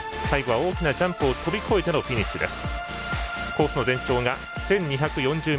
最後は大きなジャンプを飛び越えてフィニッシュ。